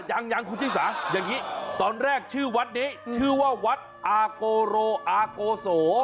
ยังยังคุณชิสาอย่างนี้ตอนแรกชื่อวัดนี้ชื่อว่าวัดอาโกโรอาโกโส